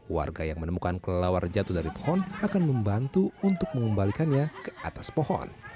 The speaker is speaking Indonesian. warga yang menemukan kelelawar jatuh dari pohon akan membantu untuk mengembalikannya ke atas pohon